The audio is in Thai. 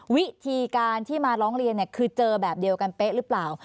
วิธีการที่มาร้องเรียนคือเจอแบบเดียวกันเป๊ะหรือเปล่า